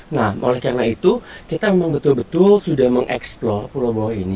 nah oleh karena itu kita memang betul betul sudah mengeksplor pulau pulau ini